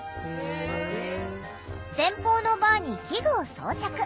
前方のバーに器具を装着。